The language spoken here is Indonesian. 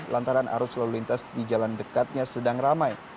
lantaran arus lalu lintas di jalan dekatnya sedang ramai